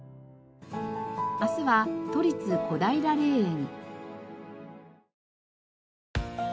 明日は都立小平霊園。